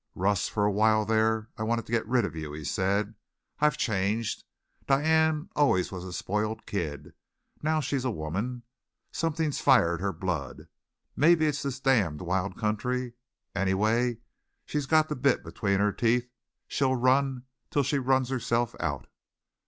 "Russ, for a while there I wanted to get rid of you," he said. "I've changed. Diane always was a spoiled kid. Now she's a woman. Something's fired her blood. Maybe it's this damned wild country. Anyway, she's got the bit between her teeth. She'll run till she's run herself out.